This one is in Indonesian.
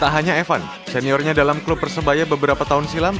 tak hanya evan seniornya dalam klub persebaya beberapa tahun silam